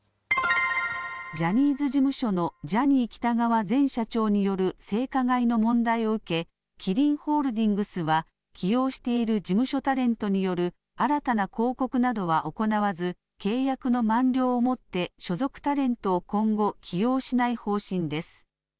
ジャニーズ事務所のジャニー喜多川前社長による性加害の問題を受け、キリンホールディングスは、起用している事務所タレントによる新たな広告などは行わず、契約の満了をもって所属タレントを今後、起用しない方針です。